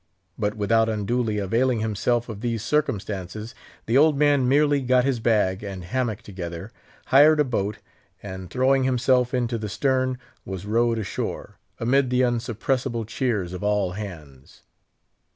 But without unduly availing himself of these circumstances, the old man merely got his bag and hammock together, hired a boat, and throwing himself into the stern, was rowed ashore, amid the unsuppressible cheers of all hands.